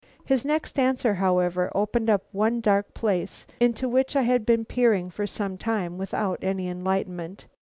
His next answer, however, opened up one dark place into which I had been peering for some time without any enlightenment.